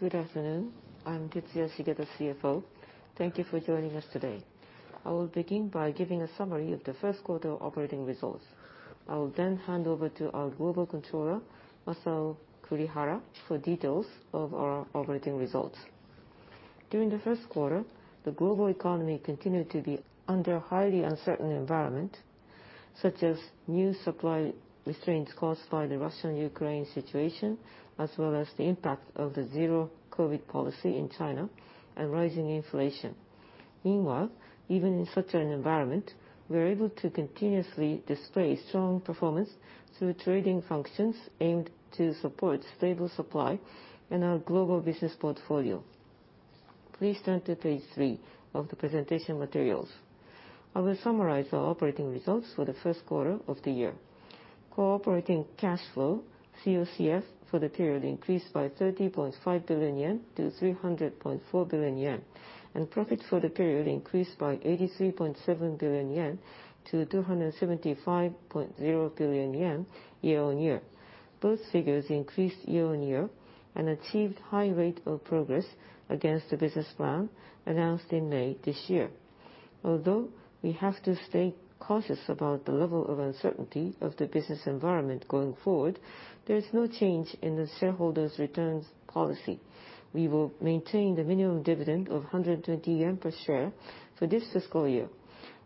Good afternoon. I'm Tetsuya Shigeta, CFO. Thank you for joining us today. I will begin by giving a summary of the first quarter operating results. I will then hand over to our Global Controller, Masao Kurihara, for details of our operating results. During the first quarter, the global economy continued to be under a highly uncertain environment, such as new supply restraints caused by the Russia-Ukraine situation, as well as the impact of the zero-COVID policy in China and rising inflation. Meanwhile, even in such an environment, we are able to continuously display strong performance through trading functions aimed to support stable supply in our global business portfolio. Please turn to page three of the presentation materials. I will summarize our operating results for the first quarter of the year. Core operating cash flow, COCF, for the period increased by 30.5 billion yen to 300.4 billion yen. Profit for the period increased by 83.7 billion yen to 275.0 billion yen year-on-year. Both figures increased year-on-year and achieved high rate of progress against the business plan announced in May this year. Although we have to stay cautious about the level of uncertainty of the business environment going forward, there is no change in the shareholders' returns policy. We will maintain the minimum dividend of 120 yen per share for this fiscal year.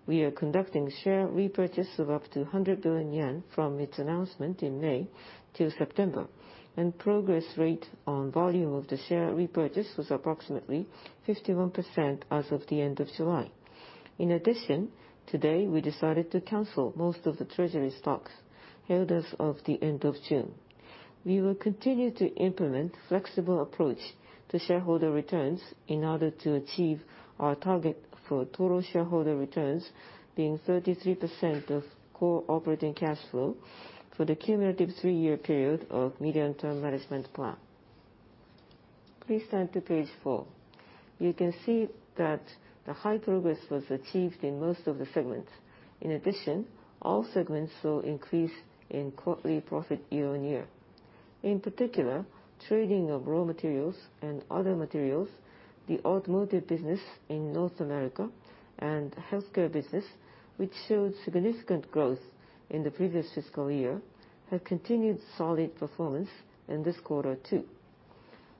We are conducting share repurchase of up to 100 billion yen from its announcement in May till September. Progress rate on volume of the share repurchase was approximately 51% as of the end of July. In addition, today, we decided to cancel most of the treasury stocks held as of the end of June. We will continue to implement flexible approach to shareholder returns in order to achieve our target for total shareholder returns being 33% of core operating cash flow for the cumulative three-year period of Medium-Term Management Plan. Please turn to page four. You can see that the high progress was achieved in most of the segments. In addition, all segments saw increase in quarterly profit year-on-year. In particular, trading of raw materials and other materials, the automotive business in North America and healthcare business, which showed significant growth in the previous fiscal year, have continued solid performance in this quarter too.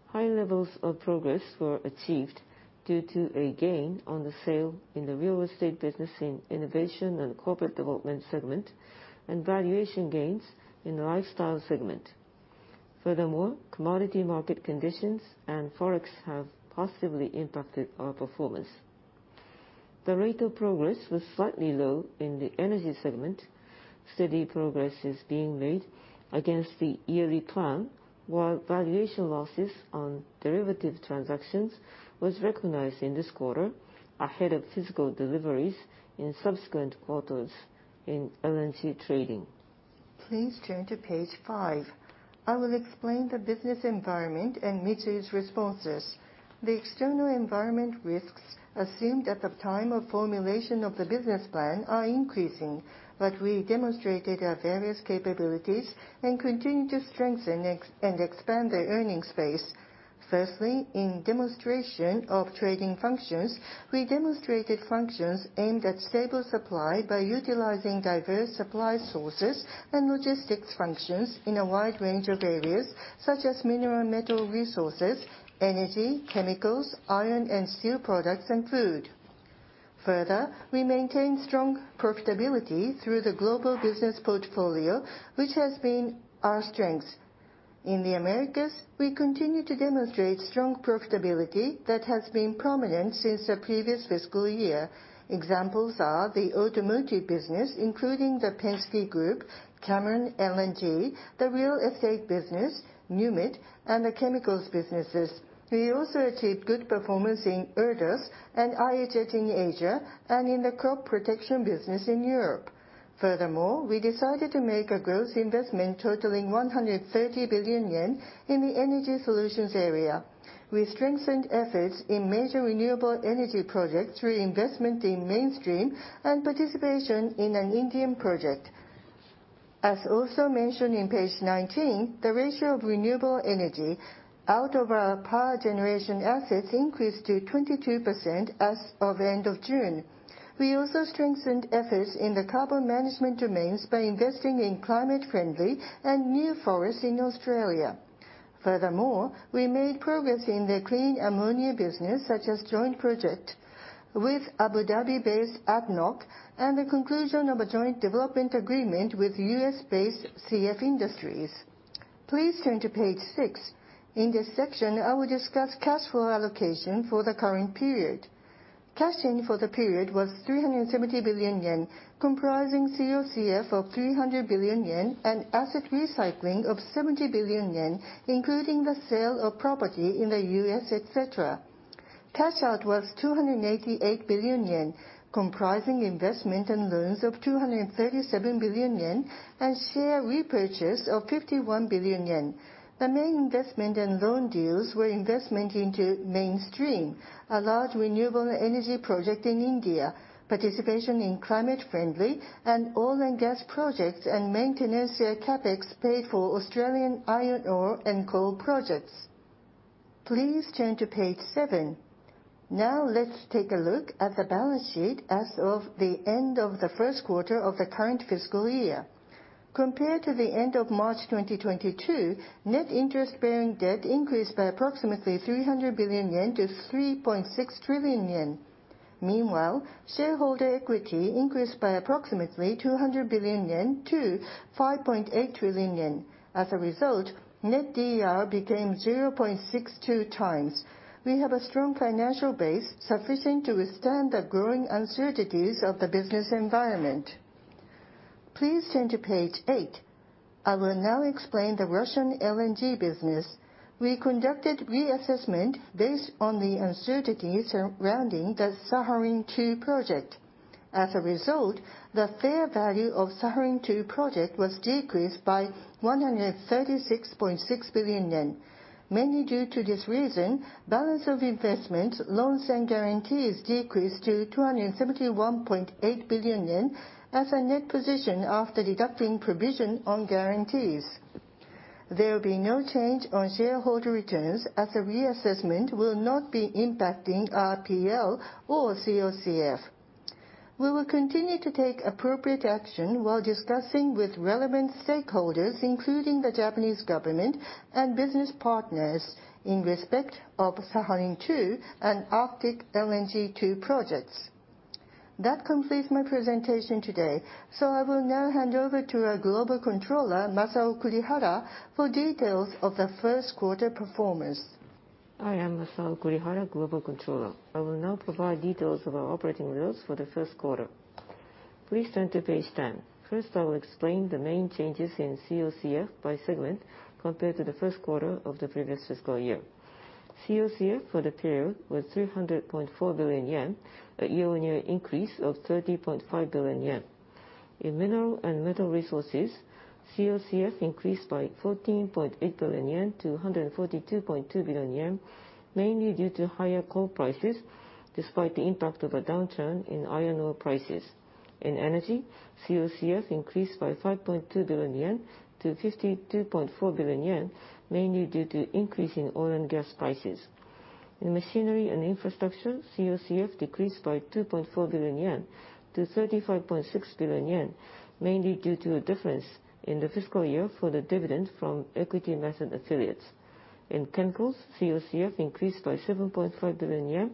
High levels of progress were achieved due to a gain on the sale in the real estate business in Innovation & Corporate Development segment, and valuation gains in the Lifestyle segment. Furthermore, commodity market conditions and Forex have positively impacted our performance. The rate of progress was slightly low in the Energy segment. Steady progress is being made against the yearly plan, while valuation losses on derivative transactions was recognized in this quarter ahead of physical deliveries in subsequent quarters in LNG trading. Please turn to page five. I will explain the business environment and Mitsui's responses. The external environment risks assumed at the time of formulation of the business plan are increasing, but we demonstrated our various capabilities and continue to strengthen and expand the earning space. Firstly, in demonstration of trading functions, we demonstrated functions aimed at stable supply by utilizing diverse supply sources and logistics functions in a wide range of areas, such as Mineral & Metal Resources, Energy, Chemicals, Iron & Steel Products, and food. Further, we maintain strong profitability through the global business portfolio, which has been our strength. In the Americas, we continue to demonstrate strong profitability that has been prominent since the previous fiscal year. Examples are the automotive business, including the Penske Group, Cameron LNG, the real estate business, Newmont, and the Chemicals businesses. We also achieved good performance in Erdos and IHI in Asia and in the crop protection business in Europe. Furthermore, we decided to make a growth investment totaling 130 billion yen in the energy solutions area. We strengthened efforts in major renewable energy projects through investment in Mainstream and participation in an Indian project. As also mentioned in page 19, the ratio of renewable energy out of our power generation assets increased to 22% as of end of June. We also strengthened efforts in the carbon management domains by investing in Climate Friendly and new forests in Australia. Furthermore, we made progress in the clean ammonia business, such as joint project with Abu Dhabi-based ADNOC and the conclusion of a joint development agreement with US-based CF Industries. Please turn to page 6. In this section, I will discuss cash flow allocation for the current period. Cash in for the period was 370 billion yen, comprising COCF of 300 billion yen and asset recycling of 70 billion yen, including the sale of property in the U.S., et cetera. Cash out was 288 billion yen, comprising investment and loans of 237 billion yen and share repurchase of 51 billion yen. The main investment and loan deals were investment into Mainstream, a large renewable energy project in India, participation in Climate Friendly and oil and gas projects, and maintenance and CapEx paid for Australian iron ore and coal projects. Please turn to page seven. Now let's take a look at the balance sheet as of the end of the first quarter of the current fiscal year. Compared to the end of March 2022, net interest-bearing debt increased by approximately 300 billion yen to 3.6 trillion yen. Meanwhile, shareholder equity increased by approximately 200 billion yen to 5.8 trillion yen. As a result, net DER became 0.62 times. We have a strong financial base sufficient to withstand the growing uncertainties of the business environment. Please turn to page eight. I will now explain the Russian LNG business. We conducted reassessment based on the uncertainties surrounding the Sakhalin-2 project. As a result, the fair value of Sakhalin-2 project was decreased by 136.6 billion yen. Mainly due to this reason, balance of investment loans and guarantees decreased to 271.8 billion yen as a net position after deducting provision on guarantees. There will be no change on shareholder returns as the reassessment will not be impacting our P&L or COCF. We will continue to take appropriate action while discussing with relevant stakeholders, including the Japanese government and business partners in respect of Sakhalin-2 and Arctic LNG 2 projects. That completes my presentation today. I will now hand over to our Global Controller, Masao Kurihara, for details of the first quarter performance. I am Masao Kurihara, Global Controller. I will now provide details of our operating results for the first quarter. Please turn to page ten. First, I will explain the main changes in COCF by segment compared to the first quarter of the previous fiscal year. COCF for the period was 300.4 billion yen, a year-on-year increase of 30.5 billion yen. In Mineral & Metal Resources, COCF increased by 14.8 billion yen to 142.2 billion yen, mainly due to higher coal prices despite the impact of a downturn in iron ore prices. In Energy, COCF increased by 5.2 billion yen to 52.4 billion yen, mainly due to increase in oil and gas prices. In Machinery & Infrastructure, COCF decreased by 2.4 billion yen to 35.6 billion yen, mainly due to a difference in the fiscal year for the dividend from equity method affiliates. In Chemicals, COCF increased by 7.5 billion yen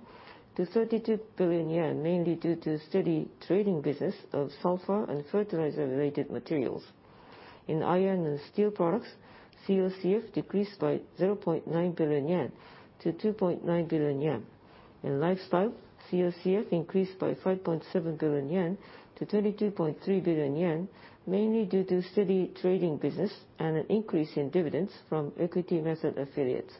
to 32 billion yen, mainly due to steady trading business of sulfur and fertilizer-related materials. In Iron & Steel Products, COCF decreased by 0.9 billion yen to 2.9 billion yen. In Lifestyle, COCF increased by 5.7 billion yen to 22.3 billion yen, mainly due to steady trading business and an increase in dividends from equity method affiliates.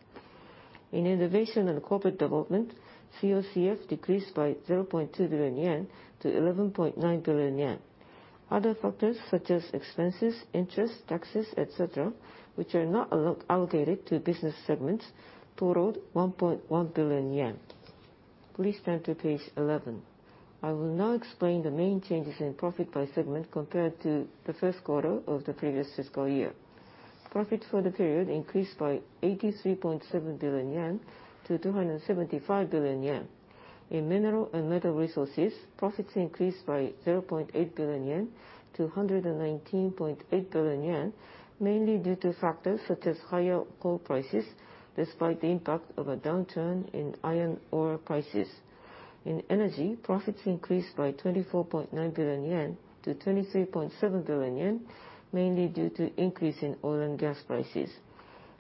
In Innovation & Corporate Development, COCF decreased by 0.2 billion yen to 11.9 billion yen. Other factors such as expenses, interest, taxes, et cetera, which are not allocated to business segments totaled 1.1 billion yen. Please turn to page 11. I will now explain the main changes in profit by segment compared to the first quarter of the previous fiscal year. Profit for the period increased by 83.7 billion yen to 275 billion yen. In Mineral & Metal Resources, profits increased by 0.8 billion yen to 119.8 billion yen, mainly due to factors such as higher coal prices despite the impact of a downturn in iron ore prices. In Energy, profits increased by 24.9 billion yen to 23.7 billion yen, mainly due to increase in oil and gas prices.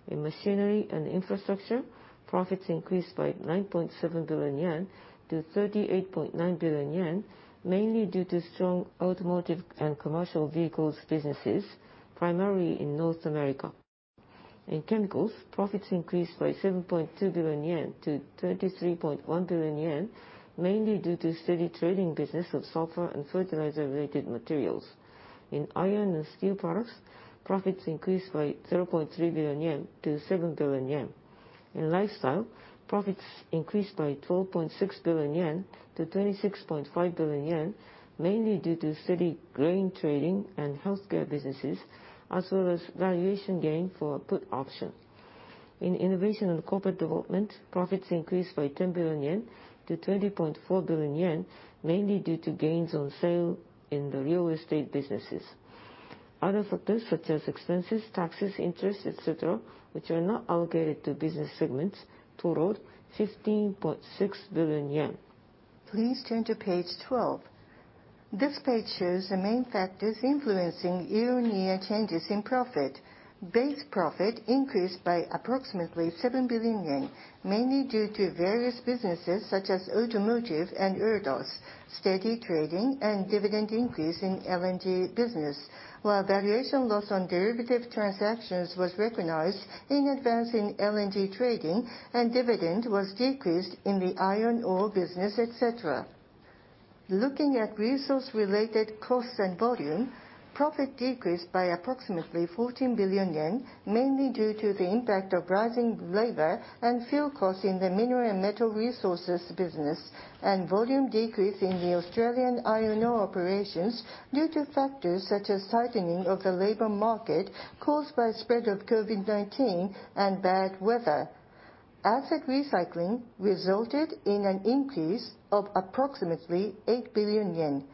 In Machinery & Infrastructure, profits increased by 9.7 billion yen to 38.9 billion yen, mainly due to strong automotive and commercial vehicles businesses, primarily in North America. In Chemicals, profits increased by 7.2 billion yen to 23.1 billion yen, mainly due to steady trading business of sulfur and fertilizer-related materials. In Iron & Steel Products, profits increased by 0.3 billion yen to 7 billion yen. In Lifestyle, profits increased by 12.6 billion yen to 26.5 billion yen, mainly due to steady grain trading and healthcare businesses, as well as valuation gain for a put option. In Innovation & Corporate Development, profits increased by 10 billion yen to 20.4 billion yen, mainly due to gains on sale in the real estate businesses. Other factors such as expenses, taxes, interest, et cetera, which are not allocated to business segments totaled 15.6 billion yen. Please turn to page 12. This page shows the main factors influencing year-on-year changes in profit. Base profit increased by approximately 7 billion yen, mainly due to various businesses such as automotive and Erdos, steady trading, and dividend increase in LNG business. While valuation loss on derivative transactions was recognized in advance in LNG trading and dividend was decreased in the iron ore business, et cetera. Looking at resource-related costs and volume, profit decreased by approximately 14 billion yen, mainly due to the impact of rising labor and fuel costs in the Mineral & Metal Resources business, and volume decrease in the Australian iron ore operations due to factors such as tightening of the labor market caused by spread of COVID-19 and bad weather. Asset recycling resulted in an increase of approximately 8 billion yen,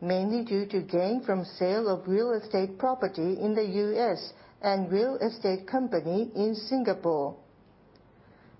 mainly due to gain from sale of real estate property in the U.S. and real estate company in Singapore.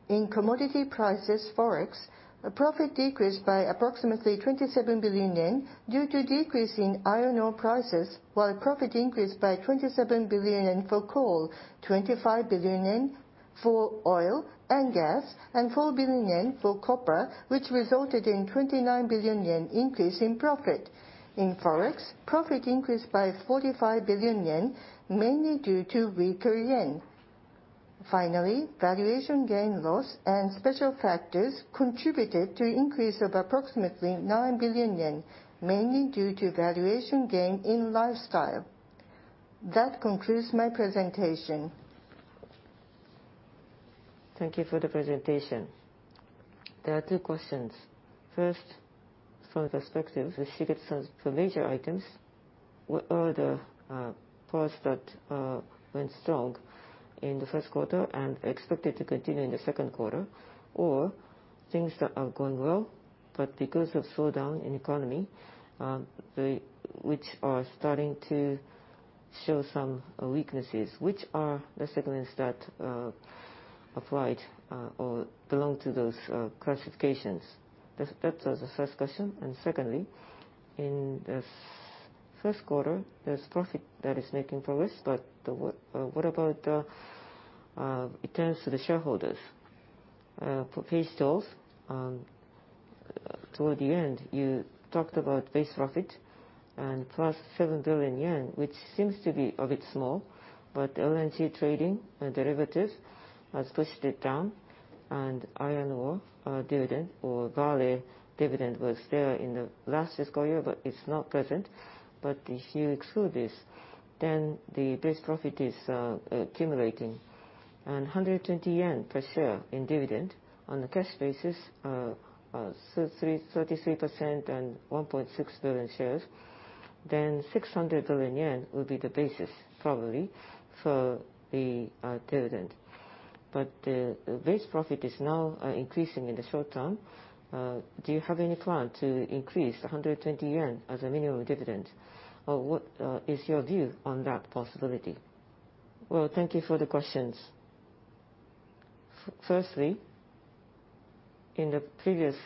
In commodity prices Forex, a profit decreased by approximately 27 billion yen due to decrease in iron ore prices, while profit increased by 27 billion yen for coal, 25 billion yen for oil and gas, and 4 billion yen for copper, which resulted in 29 billion yen increase in profit. In Forex, profit increased by 45 billion yen, mainly due to weaker yen. Finally, valuation gain loss and special factors contributed to increase of approximately 9 billion yen, mainly due to valuation gain in Lifestyle. That concludes my presentation. Thank you for the presentation. There are two questions. First, from the perspective of the sheet of some major items, what are the parts that went strong in the first quarter and expected to continue in the second quarter, or things that are going well but because of slowdown in economy, which are starting to show some weaknesses? Which are the segments that applied or belong to those classifications? That was the first question. Secondly, in the first quarter, there's profit that is making progress, but what about the returns to the shareholders? For payouts, toward the end, you talked about base profit and plus 7 billion yen, which seems to be a bit small. LNG trading and derivative has pushed it down, and iron ore, dividend or Vale dividend was there in the last fiscal year, but it's not present. If you exclude this, then the base profit is accumulating. 120 yen per share in dividend on a cash basis, so 33% and 1.6 billion shares, then 600 billion yen will be the basis probably for the dividend. Base profit is now increasing in the short term. Do you have any plan to increase 120 yen as a minimum dividend, or what is your view on that possibility? Well, thank you for the questions. Firstly, in the previous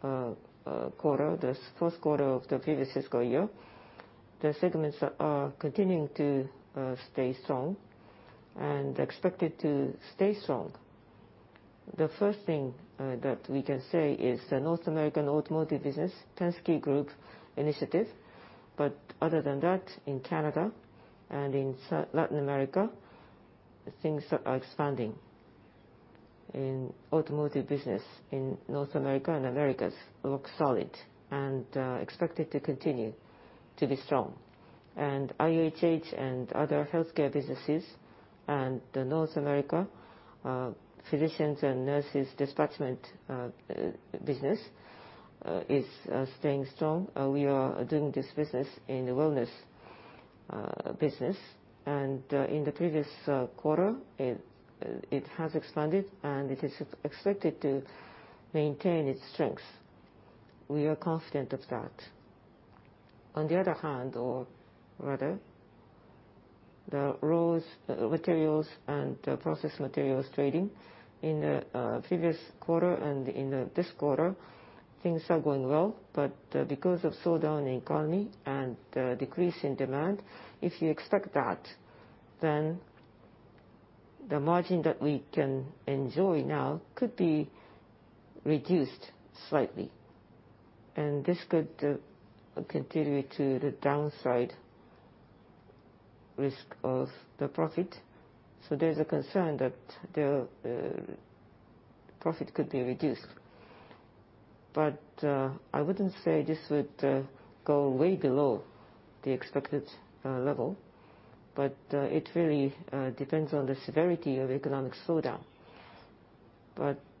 quarter, the fourth quarter of the previous fiscal year, the segments are continuing to stay strong and expected to stay strong. The first thing that we can say is the North American automotive business, Penske Group initiative, but other than that, in Canada and in Latin America, things are expanding. In automotive business in North America and Americas look solid and expected to continue to be strong. IHH Healthcare and other healthcare businesses, and North America, physicians and nurses' dispatch business is staying strong. We are doing this business in the wellness business. In the previous quarter, it has expanded, and it is expected to maintain its strength. We are confident of that. On the other hand, or rather, the raw materials and process materials trading in the previous quarter and in this quarter, things are going well, but because of slowdown in economy and decrease in demand, if you expect that, then the margin that we can enjoy now could be reduced slightly. This could continue to the downside risk of the profit. There's a concern that the profit could be reduced. I wouldn't say this would go way below the expected level. It really depends on the severity of economic slowdown.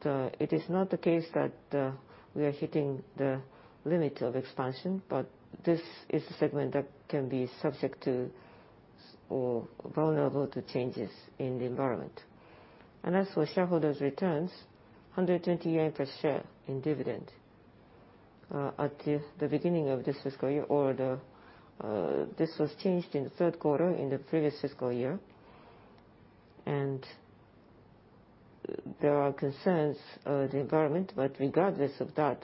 It is not the case that we are hitting the limit of expansion, but this is a segment that can be subject to or vulnerable to changes in the environment. As for shareholders' returns, 120 yen per share in dividend at the beginning of this fiscal year. This was changed in the third quarter in the previous fiscal year. There are concerns, the environment, but regardless of that,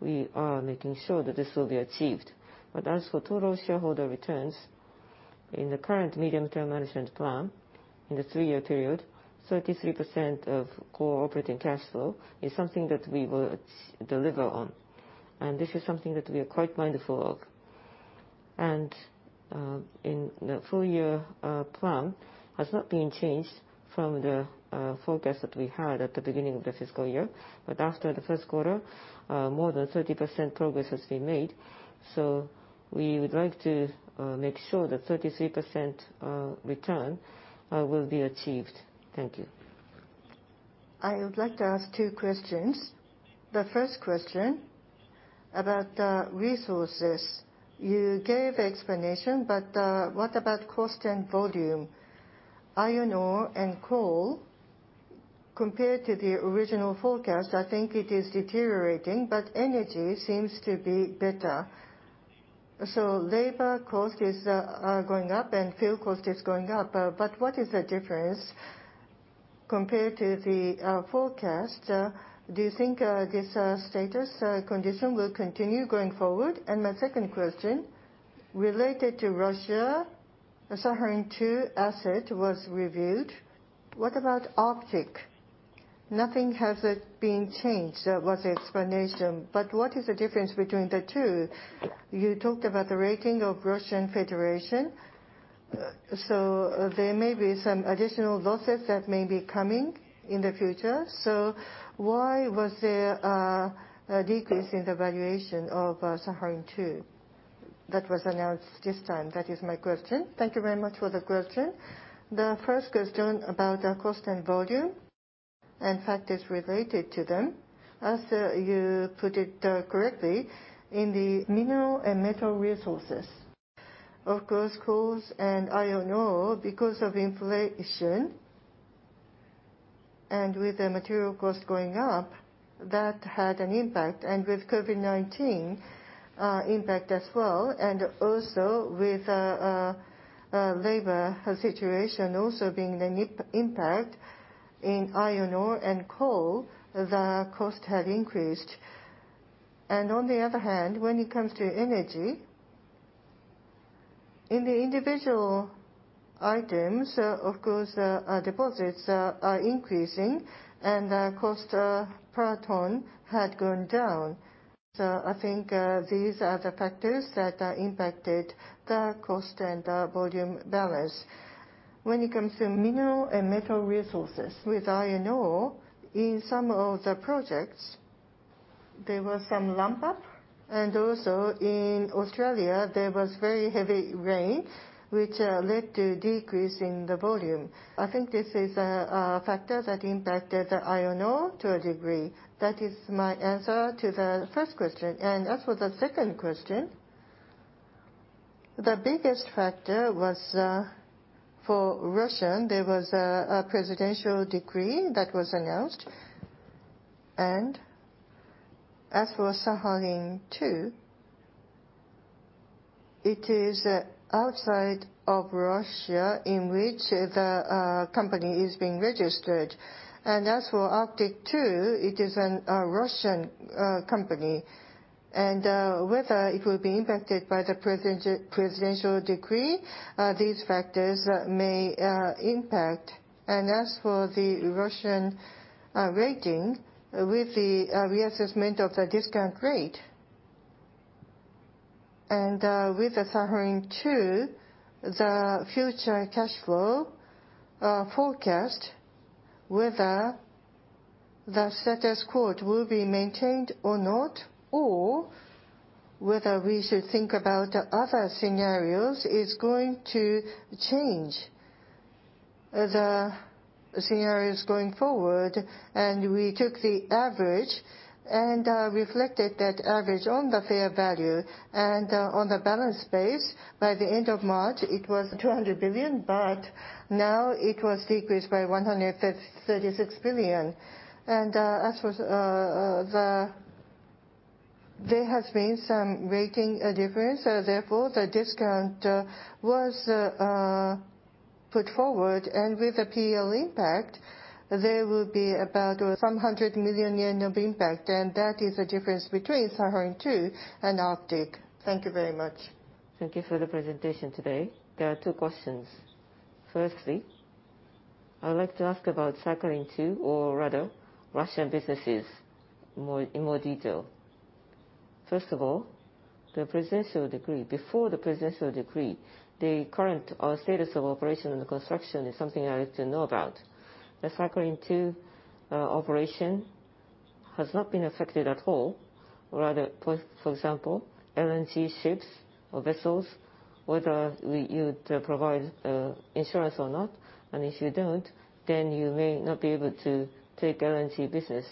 we are making sure that this will be achieved. As for total shareholder returns, in the current Medium-Term Management Plan, in the three-year period, 33% of core operating cash flow is something that we will deliver on. This is something that we are quite mindful of. In the full year, plan has not been changed from the forecast that we had at the beginning of the fiscal year. After the first quarter, more than 30% progress has been made. We would like to make sure that 33% return will be achieved. Thank you. I would like to ask two questions. The first question about the resources, you gave explanation, but what about cost and volume? Iron ore and coal, compared to the original forecast, I think it is deteriorating, but energy seems to be better. So labor cost is going up and fuel cost is going up, but what is the difference compared to the forecast? Do you think this status condition will continue going forward? My second question, related to Russia, the Sakhalin-2 asset was reviewed. What about Arctic LNG 2? Nothing has been changed, was the explanation, but what is the difference between the two? You talked about the rating of Russian Federation, so there may be some additional losses that may be coming in the future. Why was there a decrease in the valuation of Sakhalin-2 that was announced this time? That is my question. Thank you very much for the question. The first question about the cost and volume and factors related to them, as you put it correctly, in the Mineral & Metal Resources. Of course, coal and iron ore, because of inflation and with the material cost going up, that had an impact. With COVID-19 impact as well, and also with labor situation also being an impact in iron ore and coal, the cost had increased. On the other hand, when it comes to energy, in the individual items, of course, our deposits are increasing and the cost per ton had gone down. I think these are the factors that impacted the cost and volume balance. When it comes to Mineral & Metal Resources, with iron ore, in some of the projects there was some ramp up. Also in Australia there was very heavy rain, which led to decrease in the volume. I think this is a factor that impacted the iron ore to a degree. That is my answer to the first question. As for the second question, the biggest factor was for Russia, there was a presidential decree that was announced. As for Sakhalin-2, it is outside of Russia in which the company is being registered. As for Arctic LNG 2, it is a Russian company, and whether it will be impacted by the presidential decree, these factors may impact. As for the Russian re-rating with the reassessment of the discount rate and with the Sakhalin-2, the future cash flow forecast, whether the status quo will be maintained or not, or whether we should think about other scenarios, is going to change the scenarios going forward. We took the average and reflected that average on the fair value. On the balance sheet, by the end of March, it was 200 billion, but now it was decreased by 136 billion. There has been some rating difference, therefore the discount was put forward. With the P&L impact, there will be about 100 million yen of impact, and that is the difference between Sakhalin-2 and Arctic. Thank you very much. Thank you for the presentation today. There are two questions. Firstly, I would like to ask about Sakhalin-2 or rather Russian businesses more, in more detail. First of all, the presidential decree. Before the presidential decree, the current status of operation and construction is something I'd like to know about. The Sakhalin-2 operation has not been affected at all, rather, for example, LNG ships or vessels, whether you'd provide insurance or not. If you don't, then you may not be able to take LNG business.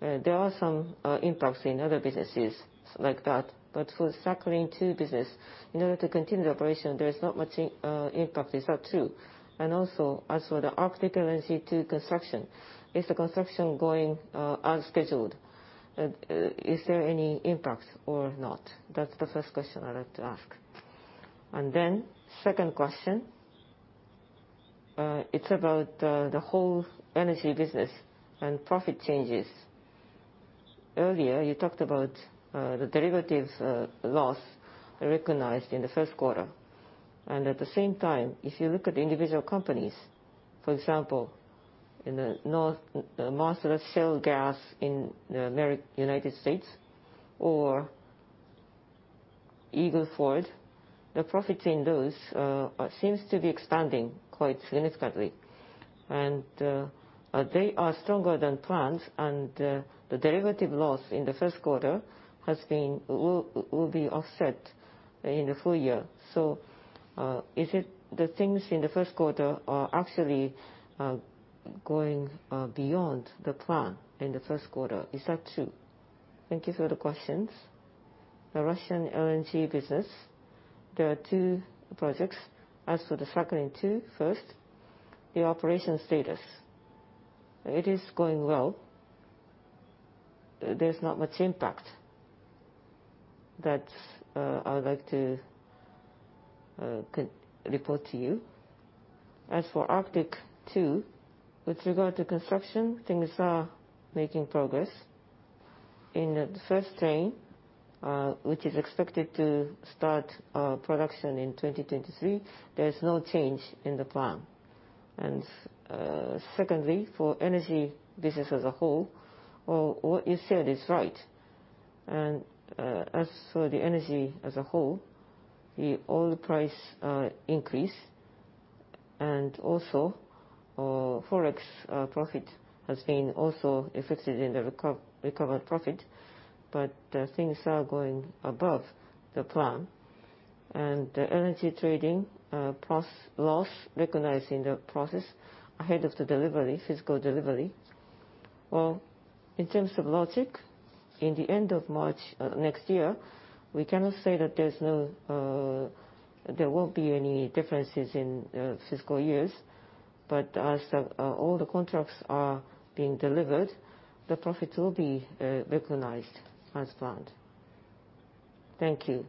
There are some impacts in other businesses like that. For Sakhalin-2 business, in order to continue the operation, there is not much impact. Is that true? Also, as for the Arctic LNG 2 construction, is the construction going as scheduled? Is there any impact or not? That's the first question I'd like to ask. Second question, it's about the whole energy business and profit changes. Earlier you talked about the derivatives loss recognized in the first quarter. At the same time, if you look at individual companies, for example, the Marcellus Shale gas in the United States or Eagle Ford, the profit in those seems to be expanding quite significantly. They are stronger than planned. The derivative loss in the first quarter will be offset In the full year. Is it the things in the first quarter are actually going beyond the plan in the first quarter? Is that true? Thank you for the questions. The Russian LNG business, there are two projects. As for the Sakhalin-2, first, the operation status, it is going well. There's not much impact that I would like to report to you. As for Arctic LNG 2, with regard to construction, things are making progress. In the first train, which is expected to start production in 2023, there is no change in the plan. Secondly, for energy business as a whole, well, what you said is right. As for the energy as a whole, the oil price increase, and also, Forex profit has been also affected in the recovered profit. Things are going above the plan. The energy trading loss recognized in the process ahead of the delivery, physical delivery. Well, in terms of logic, in the end of March next year, we cannot say that there won't be any differences in fiscal years. As all the contracts are being delivered, the profit will be recognized as planned. Thank you.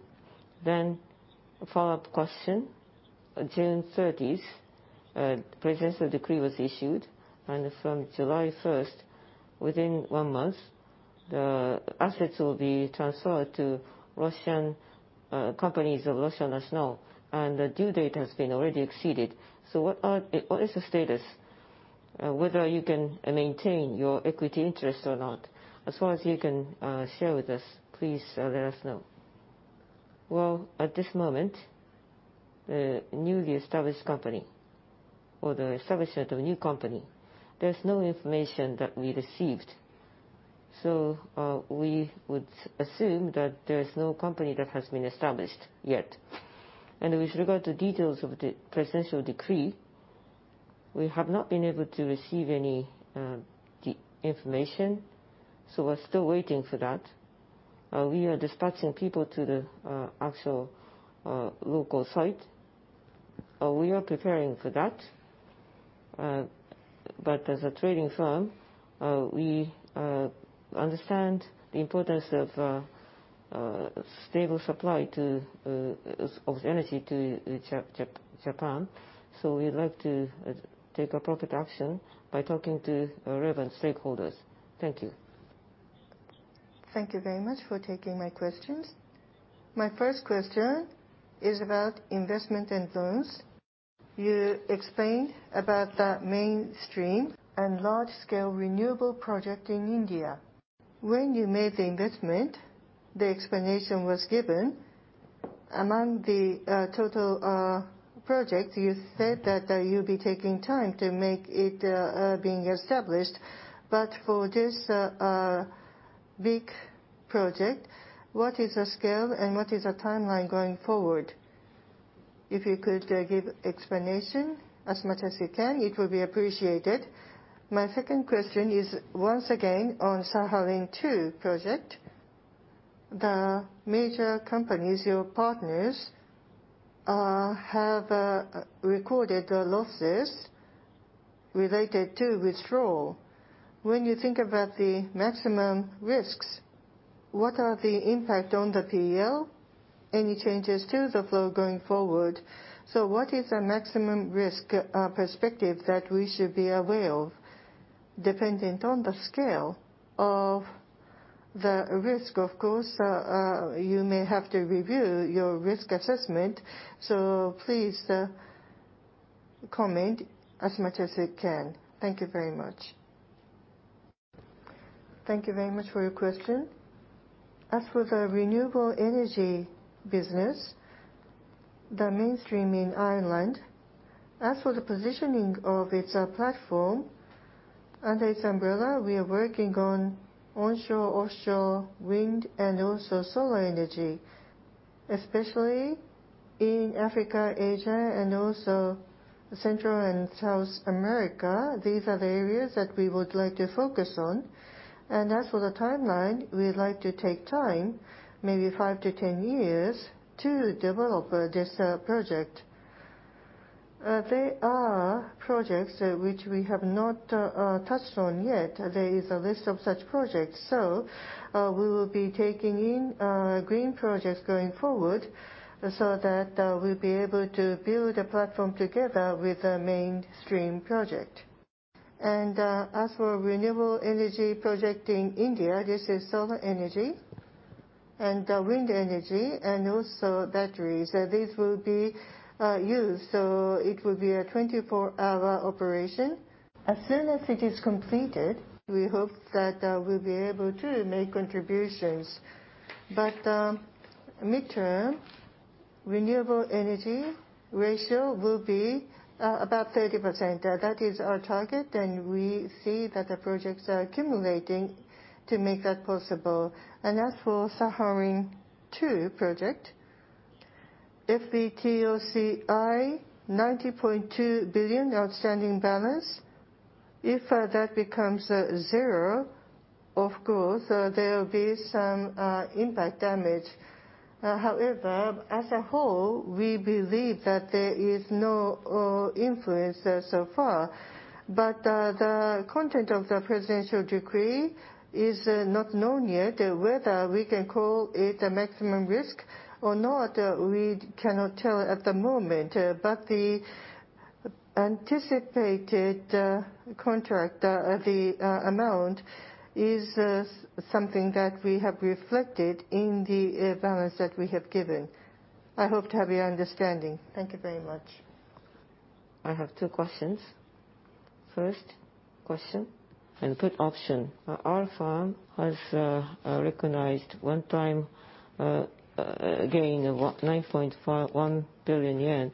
A follow-up question. On June 30th, a presidential decree was issued, and from July 1st, within one month, the assets will be transferred to Russian companies of Rosneft. The due date has been already exceeded. What is the status whether you can maintain your equity interest or not? As far as you can share with us, please let us know. Well, at this moment, the newly established company or the establishment of a new company, there's no information that we received. We would assume that there is no company that has been established yet. With regard to details of the presidential decree, we have not been able to receive any information, so we're still waiting for that. We are dispatching people to the actual local site. We are preparing for that, but as a trading firm, we understand the importance of stable supply of energy to Japan. We'd like to take appropriate action by talking to relevant stakeholders. Thank you. Thank you very much for taking my questions. My first question is about investment influence. You explained about that Mainstream and large-scale renewable project in India. When you made the investment, the explanation was given. Among the total project, you said that you'll be taking time to make it being established. For this big project, what is the scale and what is the timeline going forward? If you could give explanation as much as you can, it will be appreciated. My second question is once again on Sakhalin-2 project. The major companies, your partners, have recorded losses related to withdrawal. When you think about the maximum risks, what are the impact on the P&L? Any changes to the flow going forward? What is the maximum risk perspective that we should be aware of? Depending on the scale of the risk, of course, you may have to review your risk assessment. Please, comment as much as you can. Thank you very much. Thank you very much for your question. As for the renewable energy business, Mainstream in Ireland, as for the positioning of its platform, under its umbrella, we are working on onshore, offshore, wind, and also solar energy, especially in Africa, Asia, and also Central and South America. These are the areas that we would like to focus on. As for the timeline, we would like to take time, maybe 5-10 years, to develop this project. There are projects which we have not touched on yet. There is a list of such projects. We will be taking in green projects going forward so that we'll be able to build a platform together with a Mainstream project. As for renewable energy project in India, this is solar energy and wind energy and also batteries. These will be used, so it will be a 24-hour operation. As soon as it is completed, we hope that we'll be able to make contributions. Midterm renewable energy ratio will be about 30%. That is our target, and we see that the projects are accumulating to make that possible. As for Sakhalin-2 project, FVTOCI 90.2 billion outstanding balance. If that becomes zero, of course there will be some impact damage. However, as a whole, we believe that there is no influence there so far. The content of the presidential decree is not known yet. Whether we can call it a maximum risk or not, we cannot tell at the moment. The anticipated contract amount is something that we have reflected in the balance that we have given. I hope to have your understanding. Thank you very much. I have two questions. First question in put option. R-Pharm has recognized one-time gain of 1 billion yen.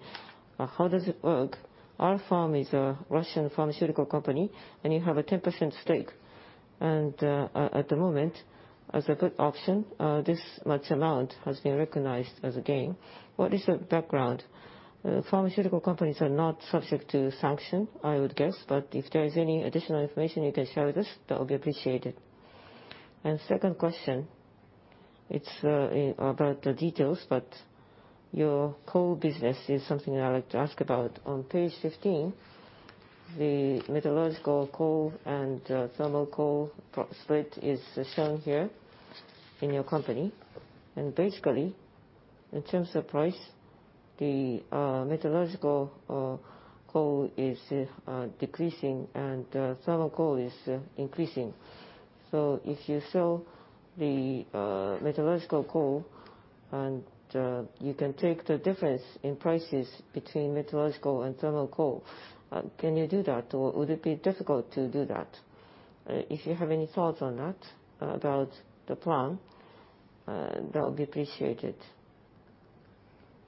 How does it work? R-Pharm is a Russian pharmaceutical company, and you have a 10% stake. At the moment, as a put option, this much amount has been recognized as a gain. What is the background? Pharmaceutical companies are not subject to sanctions, I would guess, but if there is any additional information you can share with us, that would be appreciated. Second question, it's about the details, but your coal business is something I would like to ask about. On page 15, the metallurgical coal and thermal coal profile is shown here in your company. Basically, in terms of price, the metallurgical coal is decreasing and thermal coal is increasing. If you sell the metallurgical coal, and you can take the difference in prices between metallurgical and thermal coal, can you do that, or would it be difficult to do that? If you have any thoughts on that, about the plan, that would be appreciated.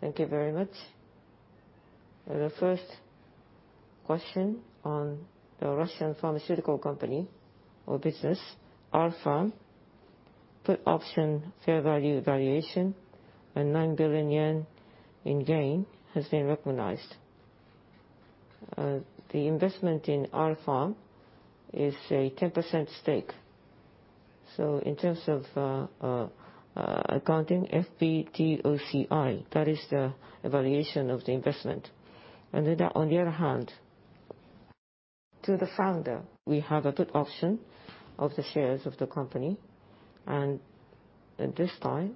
Thank you very much. The first question on the Russian pharmaceutical company or business, R-Pharm, put option fair value valuation and 9 billion yen in gain has been recognized. The investment in R-Pharm is a 10% stake. In terms of accounting FVTOCI, that is the valuation of the investment. On the other hand, to the founder, we have a put option of the shares of the company. At this time,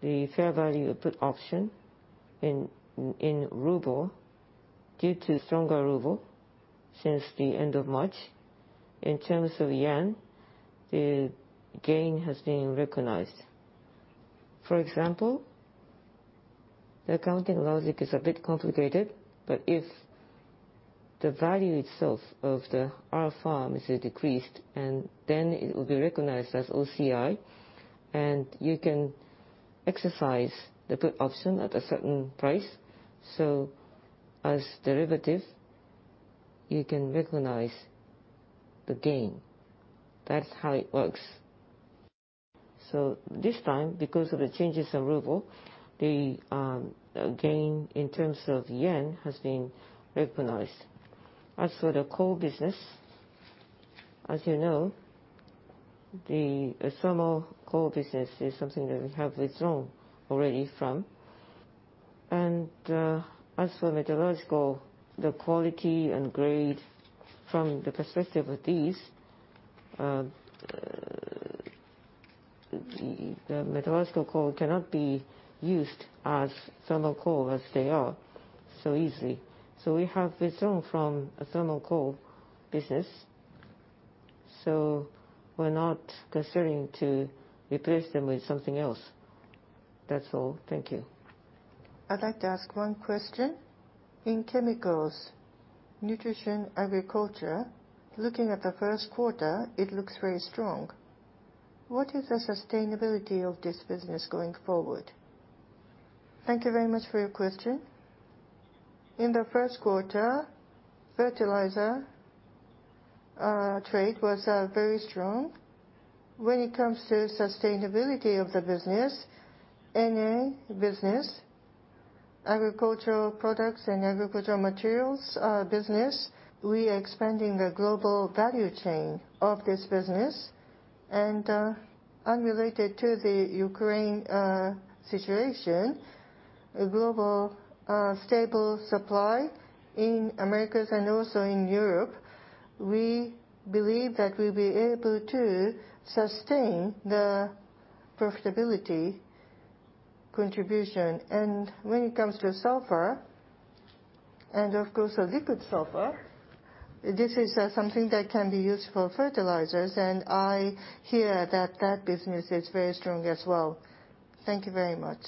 the fair value put option in ruble, due to stronger ruble since the end of March, in terms of yen, the gain has been recognized. For example, the accounting logic is a bit complicated, but if the value itself of the R-Pharm is decreased, and then it will be recognized as OCI, and you can exercise the put option at a certain price. As derivative, you can recognize the gain. That's how it works. This time, because of the changes in ruble, the gain in terms of yen has been recognized. As for the coal business, as you know, the thermal coal business is something that we have withdrawn already from. As for metallurgical, the quality and grade from the perspective of these, the metallurgical coal cannot be used as thermal coal as they are so easily. We have withdrawn from a thermal coal business, so we're not considering to replace them with something else. That's all. Thank you. I'd like to ask one question. In Chemicals, Nutrition, Agriculture, looking at the first quarter, it looks very strong. What is the sustainability of this business going forward? Thank you very much for your question. In the first quarter, fertilizer trade was very strong. When it comes to sustainability of the business, NA business, agricultural products and agricultural materials business, we are expanding the global value chain of this business. Unrelated to the Ukraine situation, a global stable supply in Americas and also in Europe, we believe that we'll be able to sustain the profitability contribution. When it comes to sulfur, and of course, a liquid sulfur, this is something that can be used for fertilizers, and I hear that that business is very strong as well. Thank you very much.